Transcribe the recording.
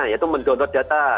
yaitu mendownload data